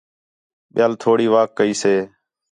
ٻِیال تھوڑی واک کَئی سے